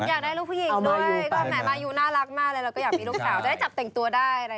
มายูน่ารักมากเลยเราก็อยากมีลูกสาวจะได้จับแต่งตัวได้